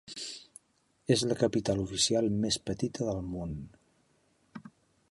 És la capital oficial més petita del món.